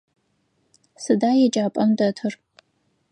Сыда еджапӏэм дэтыр?